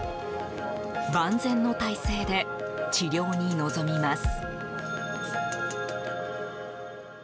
万全の態勢で治療に臨みます。